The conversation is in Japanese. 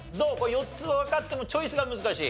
４つわかってもチョイスが難しい？